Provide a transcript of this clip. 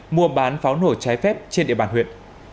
mua bán pháo nổ trái phép trên địa bàn huyện